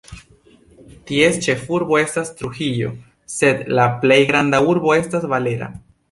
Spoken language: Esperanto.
Ties ĉefurbo estas Trujillo sed la plej granda urbo estas Valera.